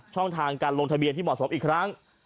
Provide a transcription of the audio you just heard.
ช่องทางการลงทะเบียนที่เหมาะสมอีกครั้ง